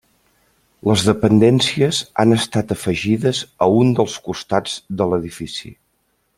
Les dependències han estat afegides a un dels costats de l'edifici.